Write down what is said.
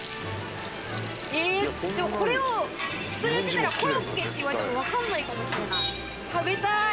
えっでもこれを普通に売ってたらコロッケって言われても分かんないかもしれない。